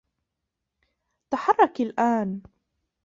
تحرّك الآن.